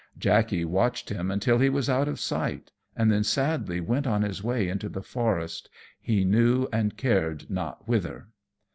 Jackey watched him till he was out of sight, and then sadly went on his way into the forest, he knew and cared not whither.